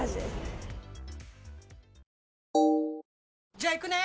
じゃあ行くね！